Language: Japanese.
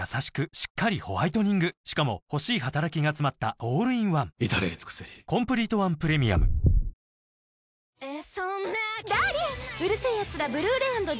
しっかりホワイトニングしかも欲しい働きがつまったオールインワン至れり尽せりえっ？